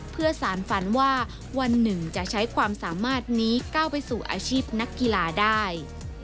เพื่อสารฝันว่าวันหนึ่งจะใช้ความสามารถนี้ก้าวไปสู่อาชีพนักกีฬาได้